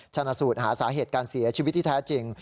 ชนะสูตรหาสาเหตุการเสียชีวิตที่แท้จริง